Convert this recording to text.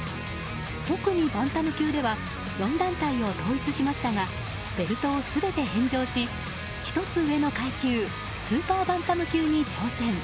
特にバンタム級では４団体を統一しましたがベルトを全て返上し１つ上の階級スーパーバンタム級に挑戦。